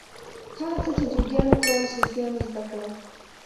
هغه څه چې جوګیانو کول صوفیانو زده کړل.